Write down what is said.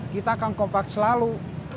kita kang kompak selalu